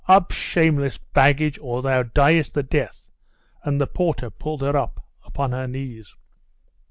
Up, shameless baggage, or thou diest the death!' and the porter pulled her up upon her knees.